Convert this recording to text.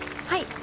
はい。